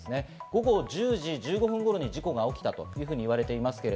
午後１０時１５分頃に事故が起きたといわれています。